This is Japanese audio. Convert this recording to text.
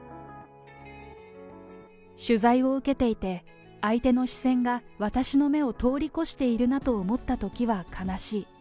取材を受けていて、相手の視線が私の目を通り越しているなと思ったときは悲しい。